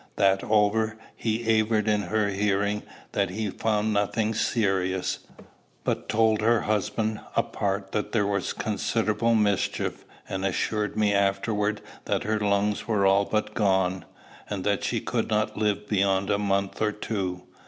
That over, he averred in her hearing that he found nothing serious; but told her husband apart that there was considerable mischief, and assured me afterwards that her lungs were all but gone, and that she could not live beyond a month or two.